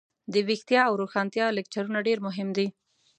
دویښتیا او روښانتیا لکچرونه ډیر مهم دي.